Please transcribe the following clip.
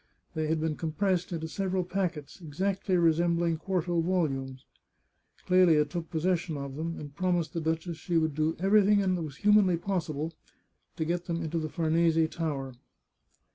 They had been compressed into several packets, exactly resembling quarto volumes. Clelia took possession of them, and promised the duchess she would do everything that was humanly pos sible to get them into the Farnese Tower.